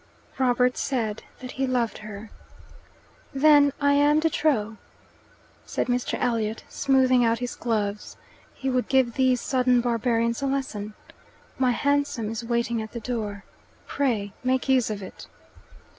Robert said that he loved her. "Then I am de trop," said Mr. Elliot, smoothing out his gloves. He would give these sodden barbarians a lesson. "My hansom is waiting at the door. Pray make use of it."